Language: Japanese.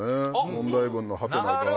問題文のハテナが。